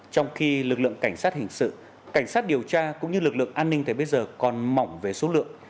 trong khi lực lượng cảnh sát hình sự cảnh sát điều tra cũng như lực lượng an ninh thời bây giờ còn mỏng về số lượng